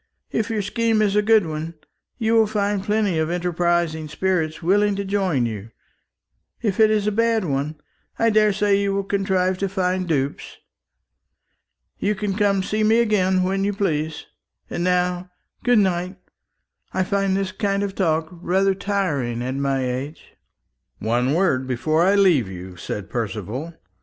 If your scheme is a good one, you will find plenty of enterprising spirits willing to join you; if it is a bad one, I daresay you will contrive to find dupes. You can come and see me again when you please. And now good night. I find this kind of talk rather tiring at my age." "One word before I leave you," said Percival.